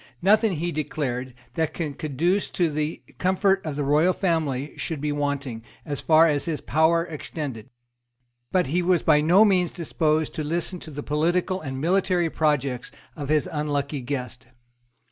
Nothing, he declared, that could conduce to the comfort of the royal family of England should be wanting, as far as his power extended. But he was by no means disposed to listen to the political and military projects of his unlucky guest.